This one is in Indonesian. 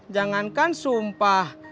jangan kan sumpah